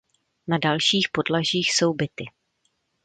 Na dalších podlažích jsou byty.